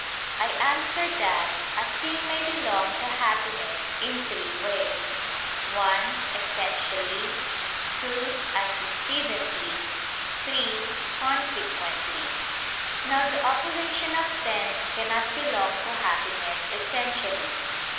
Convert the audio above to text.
I answer that, A thing may belong to happiness in three ways: (1) essentially, (2) antecedently, (3) consequently. Now the operation of sense cannot belong to happiness essentially.